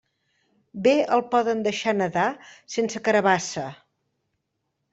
Bé el poden deixar nadar sense carabassa.